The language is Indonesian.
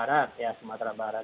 tapi sumatera barat